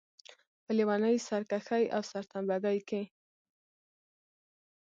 په لېونۍ سرکښۍ او سرتمبه ګۍ.